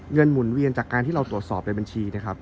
หมุนเวียนจากการที่เราตรวจสอบในบัญชีนะครับ